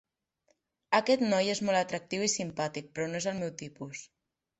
Aquest noi és molt atractiu i simpàtic, però no és el meu tipus.